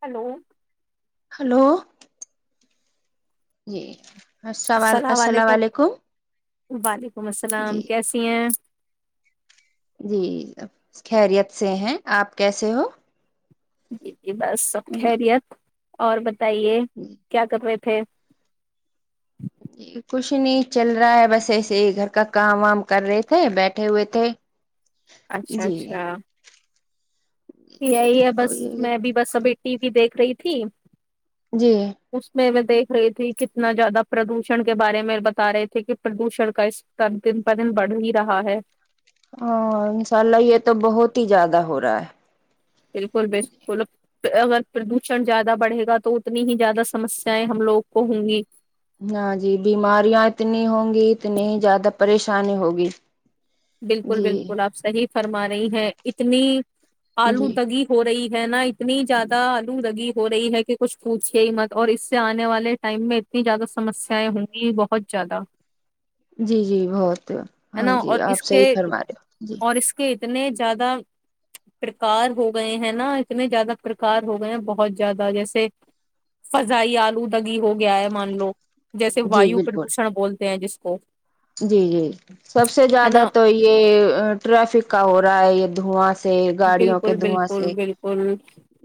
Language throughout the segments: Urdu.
ہلو دو جی السو السلام علیکم بال ولیکم جی السلام کیسی ہیں جی خیریت سے ہیں آپ کیسے ہو جی جی بس سب جی خیریت اور ب بتائیے کیا کر رہے پھر کچھ نہیں چل رہا ہے بس ایسے ہی گھر کا کام وام کر رہے تھے بیٹھے ہوئے تھے اچھا جی اچھا یہی ہے بس میں بھی بس ابھی ٹی وی دیکھ رہی تھی جی اس میں و دیکھ رہے تے کتنا زیادہ پردوشن کے بارے میں بتا رہے تھے کہ پردوشن کا اس طر دن پر دن بڑھ ہی رہا ہے ہاں انشاء اللہ یہ تو بہت ہی زیادہ ہو رہا ہے بالکل بالکل اگر پردوشن زیادہ بڑھے گا تو اتنی ہی زیادہ سمسیایں ہم لوگ کو ہوں گی ہ جی بیماریاں اتنی ہوں گی اتنی ہی زیادہ پریشانی ہوگی بالکل جی بالکل آپ صحیح فرما رہی ہیں تنہیں آلو جی دگی ہو رہی ہے نا اتنی زیادہ اللوودگی ہو رہی ہے کہ کچھ پوچھے ہی مت اور اس سے آنے والے ٹائم میں اتنی زیادہ سمسیایں ہوں گی بہت زیادہ جی جی بہت ہے ہاں نا جی اور آپ اس کے صحیح فرما رہ ہو جی اور اس کے اتنے زیادہ پرکار ہو گئے ہیں نا اتنے زیادہ پرکار ہو گئے ہیں بہت زیادہ جیسے فضائی آلودودگی ہو گیا ہے مان لو جیسے جی وایو بالکل پردوشن بولتے جس کوو جی جی سب سے زیادہ نا تو یہ ٹریفک کا ہو رہا ہے یہ دھوا بالکل بالکل بالکل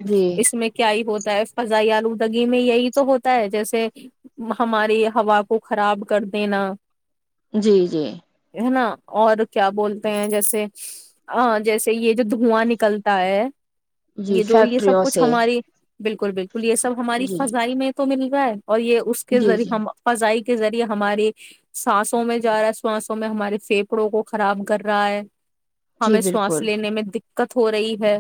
جی اس میں کیا ہی ہوتا فضائی آلودگی میں یہی تو ہوتا ہے جیسے ہماری ہوا کو خراب کر دینا جی جی ہے نا اور کیا بولتے ہیں جیسے جیسے یہ جو دھواں نکلتا ہے جی یہ جو یہ سب فیکٹریوں کچھ سے ہماری بالکل بالل یہ سب ہماری جی فضائی میں تو مل گا ہے اور یہ اس کے جی ذریعے جی ہم فضائی کے ذریعے ہماری سانسوں میں جا رہا ہے ساسوں میں ہمارے پھیپڑوں کو خراب کر رہا ہے جی ہمیں سواس بالکل لینے میں دقت ہو رہی ہے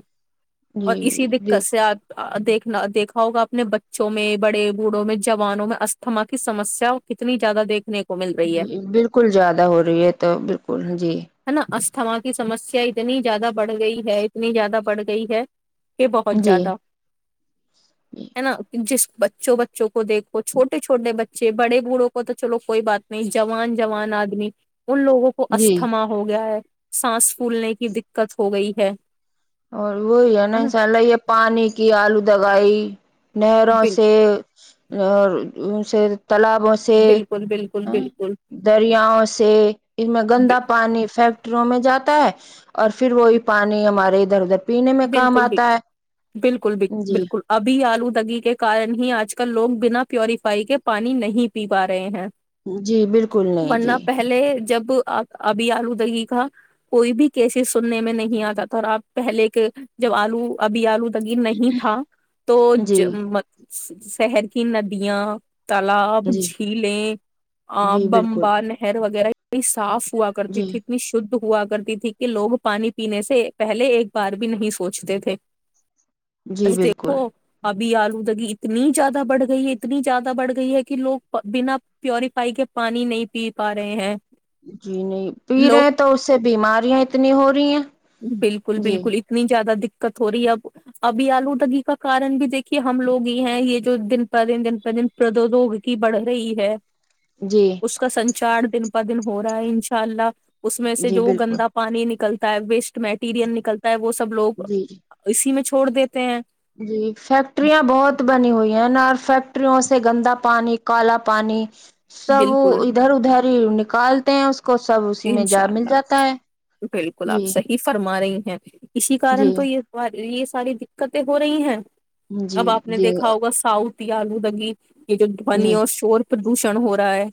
جی اور اسی جی دقت سے آپ دیکھنا دیکھا ہوگا اپنے بچوں میں بڑے بوڑھوں میں جوانوں میں استھما کی سسیا کتنی زیادہ دیکھنے کو مل رہی ہے ج بالکل زیادہ ہو رہی ہے تو بالکل جی تھاں کی سسیا اتنی زیادہ بڑھ گئی ہے اتنی زیادہ بڑھ گئی ہے یہ بہت جی زیادہ ہے نا جس بچوں بچوں کو دیکھو چھوٹے چھوٹے بچے بڑے بوڑھوں کو تو چلو کوئی بات نہیں جوان جوان آدمی ان لوگوں کو جی استھما ہو گیا ہے سانس پھولنے کی دقت ہو گئی ہے اور وہی ہے نا ان شاء اللہ یہ پانی کی آلو دگائی نہروں بال سے اور ان سے تالابوں سے بالکل بالکل بالکل دریاؤں سے اس میں گندا پانی فیک ٹروں میں جاتا ہے اور پھر وہی پانی ہمارے رورت بالکل بالکل بالکل بالکل جی بالکل ابھی آلو دگی کے کارن ہی آج کل لوگ بنا پیوریفائی کے پانی نہیں پی پا رہے ہیں جی بالکل نہیں ورنہ جی پہلے جب ابھی آلودگی کا کوئی بھی کیسز سننے میں نہیں آتا تھا اور آپ پہلے کے جب آلو ابھی آلو نہیں تھا تو جی شہر کی ندیاں تالاب جی جھیلیں جی بالکل بمبا نہر وغیرہ بڑی سافٹ ہوا کرتی جی تھی اتنی شدھ ہوا کرتی تھی کہ لوگ پانی پینے سے پہلے ایک بار بھی بھی نہیں سوچتے تھے جی بالکل بھی آلودگی اتنی زیادہ بڑھ گئی ہے اتنی زیادہ بڑھ گئی ہے کہ لوگ بنا پیوریفائی کے پانی نہیں پی پا رہے ہیں جی نہیں پی رہے لوگ ہیں تو اس سے بیماریاں اتنی ہو رہی ہیں بالکل جی بالکل اتنی زیادہ د دقت ہو رہی ہے اب ابھی آلودگی کا کارن بھی دیکھیے ہم لوگ یہ ہیں یہ جو دن پر دن دن پر دن پردوگی بڑھ رہی ہے جی اس کا سنج چار دن پ دن ہو رہا ہے انشاء اللہ اس میں سے جی جو بالکل گندا پانی نکلتا ت ب [unintelligible] میٹیریئل نکل [unintelligible] وہ سب لوگ جی اسی میں چ چھوڑ دیتے ہیں جی فیکٹرییاں بہت بنی ہوئی نا اور فیکٹریوں سے گندا پانی کالا پانی سب بالکل ادھر ادھر نکالتے ہیں اس کو سب اسی میں انشاء جا مل جاتا اللہ ہے بالکل آپ جی صحیح فرما رہیں جچ اسی کارن جی تو یہ یہ ساری دقتیں ہو رہی ہیں جی اب آپ نے جی دیکھا ہوگا ساؤتھ آلو دنگی یہ جو پانی جی اور شور پردوشن ہو رہا ہے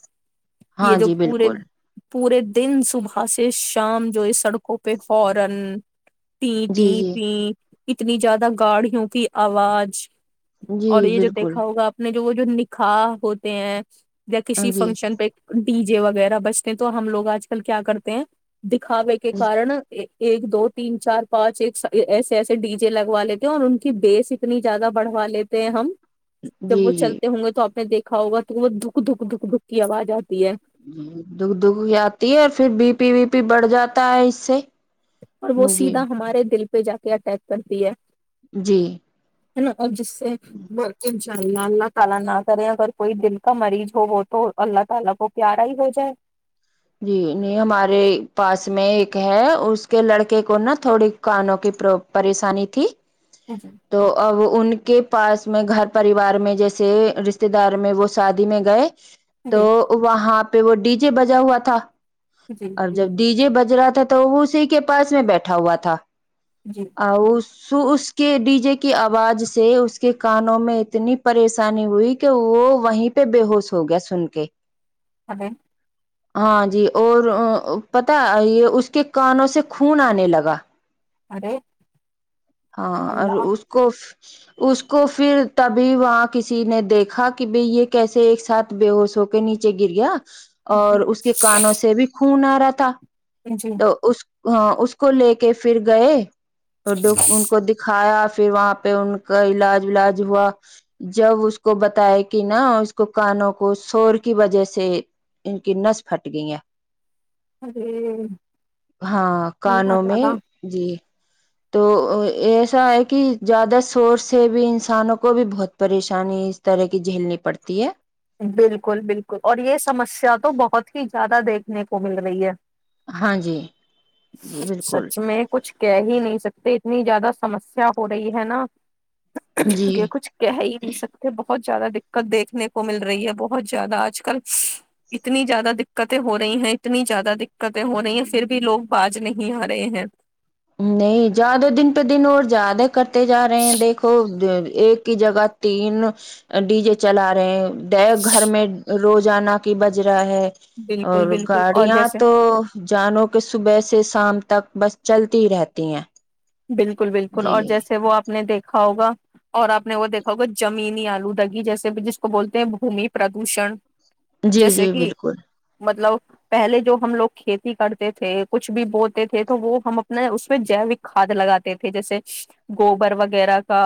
ہاں یہ جو جی پورے بالکل پورے دن صبح سے شام جو اس سڑکوں پہ فورا ت جی ٹی جی پی اتنی زیادہ گاڑیوں کی آواز جی اور یہ جو بالکل دیکھا ہوگا آپ نے جو وہ جو نکاح ہوتے ہیں یا کسی جی فنکشن پہ ی جے وغیرہ بچتے ہیں تو ہم لوگ آج ل کیا کرتے ہیں دکھاوے کے جی کارن ا ایک دو تین چار پانچ ایک ایسے ایسے ڈی جے لگوا لیتے ہیں اور ان کی بیس اتنی زیادہ بڑھوا لیتے ہیں ہم جب وہ جی جی چلتے ہوں گے تو آپ نے دیکھ کھاؤا توت دکھ دکھ دکھ دک کی آواز آتی ہے دکھ دکھ آتی ہے اور پھر بی پی وی پی بڑھ جاتا ہے اس سے اور وہ جی سیدھا ہمارے دل پہ جا کے اٹیک کرتی ہے جی جس سے انشاءاللہ اللہ تعالی نہ کرے اگر کوئی دن کا مریض ہو تو اللہ تعالی کو پیارا ہی ہو جائے جی نہیں ہمارے پاس میں ایک ہے اس کے لڑکے کو نا تھوڑی کانوں کی پریشانی تھی جی تو اب ان کے پاس میں گھر پریوار میں جیسے رشتے دار میں وہ شادی میں گئے تو جی وہاں پہ وہ ڈی جے بجا ہوا تھا ک تھا جی اور جی جب ڈی جے بجرا تھا تو وہ اسی کے پاس میں بیٹھا ہوا تھا جی اورؤ سو اس کے ڈی جے کی آواز سے اس کے کانوں میں اتنی پریشانی ہوئی کہ وہ وہیں پہ بے ہوش ہو گیا سن کے ابے ہاں جی اور پتا یہ اس کے کانوں سے خون آنے لگا ارے ہاں اور اللہ اس کو اس کو پھر تبھی وہاں کسی نے دیکھا کہ بائی یہ کیسے ایک ساتھ بے ہوش ہو کے نیچے گر گیا اور جی اس کے کانوں سے بھی خون آ رہ تھا جی تو اس ہاں اس کو لے کے پھر گئے اور ان کو [inaudible] دکھایا پھر وہاں پہ ان کا علاج ولاج ہوا جب اس کو بتایا کہ نا اس کو کانوں کو شور کی وجہ سے ان کی نس پھٹ گئی ہے ارے ہاں اللہ کانوں میں تعالی جی تو ایسا ہے کہ زیادہ سورس سے بھی انسانوں کو بھی بہت پریشانی اس طرح کی جھیلنی پڑتی ہے بالکل بالکل اور یہ سمسیا تو بہت ہی زیادہ دیکھنے کو مل رہی ہے ہاں جی جی بالکل سچ میں کچھ کہہ ہی نہیں سکتے اتنی زیادہ سمسیا ہو رہی ہے نا جی کیا کچھ کہہ ہی نہیں سکتے بہت زیادہ دقت دیکنے کو مل رہی ہے بہت زیادہ آج کل اتنی زیادہ دقتیں ہو رہی ہیں اتنی زیادہ دقتیں ہو رہی ہیں پھر بھی لوگ باز نہیں آ رہے ہیں نہیں زیادہ دن پہ دن اور زیادہ کرتے جا رہے ہیں دیکھو ایک کی جگہ تین ڈی جے چلا رہے ہیں ڈے گھر میں روز جانا کی بجٹ رہ ہے اور بالکل بالکل اور گاڑیاں جیسے تو جانو کہ صبح سے شام تک بس چل رہتی ہیں بالکل بالکل جی اور جیسے وہ آپ آپ نے دیکھا ہوگا اور آپ نے وہ دیکھا ہوگا جمینی آلودگی جیسے جس کو بولتے ہیں بھومی پردوشن جی جی جیسے کہ بالکل مطلب پہلے جو ہم لوگ کھیتی کرتے تھے کچھ بھی بولتے تھے تو وہ ہم اپنا اس میں جیوک کھاد لگاتے تھے جیسے گوبر وغیرہ کا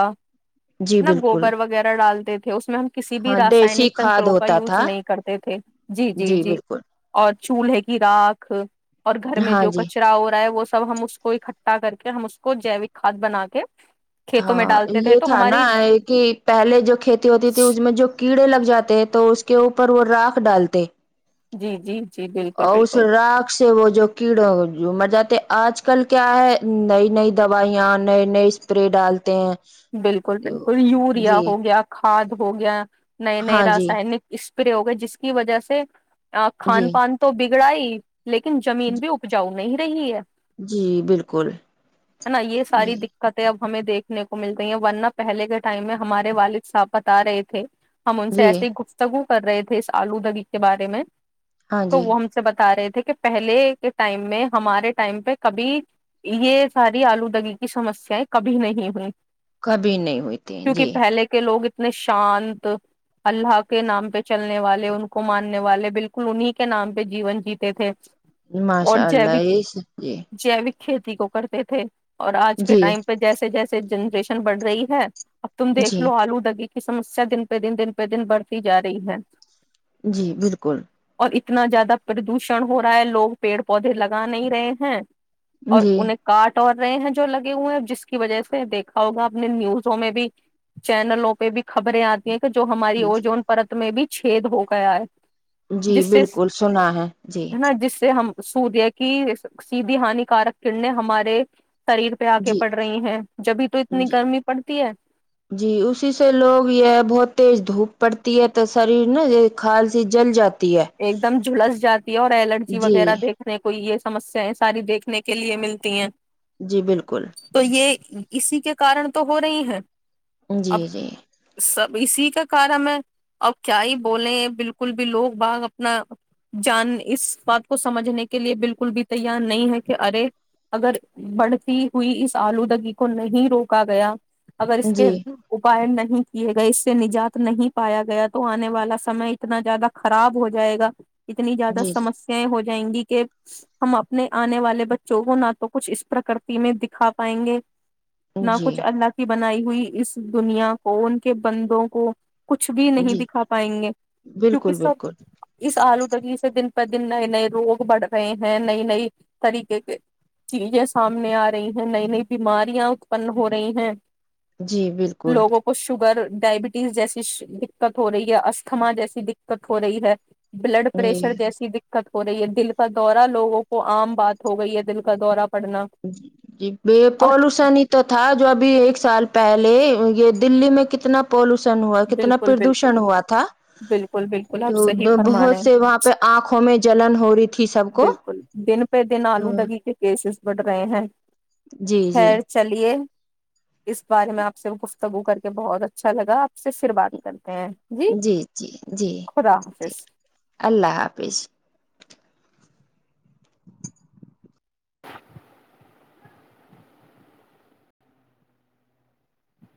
جی نہ بالکل گوبر وغیرہ ڈالتے تے تھے اسم کسی بھی ہاں دیسی راسائنک کھاد تنتروں کا ہوتا یوز تھا نہیں کرتے تھے جی جی جی اور چھول کی راکھ اور گھر میں ہاں جو جی کچرا ہو رہا ہے وہ سب ہم اس کو اکٹھا کر کہ ہم اس کو جیوک کاد بنا کے کھیتوں میں ہاں ڈالتے تھے یہ تو تھا نا ہماری کہ پہلے جو کھیتی ہوتی تھی اس میں جو کیڑے لگ جاتے تو اس کے اوپر وہ راکخ ڈالتے جی جی جی بالکل اور اس بالکل رگ سے وہ جو کیڑا جو مر جاتے آج کل کیا ہے نئی نئی دوائیاں نئے نئے اسپرے ڈالتے ہیں بالکل بالکل یوریا جی ہو گیا کھاد ہو گیا نئے نئے ہاں جی راسائنک پے ہوگئے جس کی وجہ سے ا جی کھان پان تو ب لڑائی لیکن زمین بھی اپجاؤ نہیں [inaudible] ہے جی بالکل نا یہ جی ساری دقتیں اب ہمیں دیکھنے کو ملتی ہیں ورنہ پہلے کے ٹائم میں ہمارے والد صاحب بتا رہے تھے ہم ان سے جی ایسسی ہی گفتگو کر رہے تھے اس آلو دغی کے بارے میں ہاں تو جی وہ ہم سے بتا رہے تھے تھے کہ پہلے کے ٹائم میں ہمارے ٹائم پہ کبھی یہ ساری آلودگی کی سمسیایں کبھی نہیں ہوئی کبھی نہیں ہوتی کیونکہ جی پہلے کے لوگ اتنے شانت اللہ کے نام پہ چلنے والے ان کو ماننے والے بالکل انہیں کے نام پہ جیون جیتے تھے اور ماشاء اللہ جیوک جیوک کھیتی کو کرتے تھے اور آج کے جی ٹائم پہ جیسے جیسے سے جنریشن بڑھ رہی ہے اب تم دیکھ جی لو آلو دگی کی سمسیا دن پہ دن دن پہ دن بڑھتی جا رہی ہے جی بالکل اتنا زیادہ پردوشن ہو رہا ہے لوگ پیڑ پودے لگا نہیں رہے ہیں اور انہیں جی کاٹ توڑ رہے ہیں جو لگے ہوئے ہیں جس کی وجہ سے دیکھ دھا ہوگا اپ نے نیوزوں میں بھی چینلوں پہ بھی خبریں آتی کہ جو ہماری اور جوون پر میں بھی چھید ہو گیا ہے جی جس سے بالکل سنا ہے جی ہے نا جس سے ہم سوریہ کی سیدھی ہان کارک کرنےیں ہمارے شریر پہ آ کے جی پڑ رہی ہیں جبھی تو اتنی جی گرمی پڑتی ہے جی اسی سے لوگ یہ بہتے دھوپ پڑتی ہے تو شریر نا یہ کھالسی جل جاتا ایک دم جلس جاتی ہے اور الرجی جی وغیرہ دیکھنے کو یہ سمسیایں ساری دیکھنے کے لیے ملتی ہیں جی بالکل تو یہ اسی کے کارن تو ہو رہی ہیں اب جی جی سب اسی کا کارا میں اب کیا ہی بولے ہیں بالکل بھی لوگ باغ اپنا جان اس بات کو سمجھنے کے لیے بالکل بھی تیار نہیں ہے کہ ارے اگر بڑھتی ہوئی اس آلودگی کو نہیں روکا گیا اگر اس کے جی اائے نہیں کیے گئے اس سے نجات نہیں پایا گیا تو آنے والا سمے اتنا زیادہ خراب ہو جائے گا اتنی زیادہ جی جی سمسیا ہو جائیں گی کہ ہم اپنے آنے والے بچوں کو نہ تو کچھ اس پرکرتی میں دکھا پائیں گے نہ جی کچھ اللہ کی بنائی ہوئی اس دنیا کو ان کے بندوں کو کچھ بھی نہیں جی دکھا پائیں گے کیونکہ بالکل سب بالکل اس آلو دگی سے دن دن نئے نئے روگ بڑھ رہے ہیں نئی نئی طریقے کے چیزیں سامنے آ رہی ہیں نئی نئی بیماریاں اتپن ہو رہی ہیں جی بالکل لوگوں کو شوگر ڈائبٹیز جیسی دقت ہو رہی ہے استھما جیسی د کٹ ہو رہی ہے بلڈ جی پریشر جیسی دقت ہو رہی ہے دل کا دورہ لوگوں کو عام بات ہو گئی ہے دل کا دورہ پڑنا جی ب اور پالوشن ہی تو تھا جو ابھی ایک سال پہلے یہ دللی میں کتنا پالوش ہوا کتنا بالکل پردوشن بالکل ہوا تھا بالکل بالکل آپ صحیح تو فرما رہے ہیں بہت سے وہاں پہ آنکھوں میں جلن ہو رہی تھی سب کو بالکل تو گئے ہیں جی جی خیر چلیے اس بارے میں آپ سے گفتگو کر کے بہت اچھا لگا آپ سے شروات کر جی جی جی خدا جی حافظ اللہ حافظ